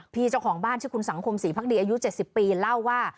เจ้าของบ้านชื่อคุณสังคมศรีพักดีอายุ๗๐ปีเล่าว่า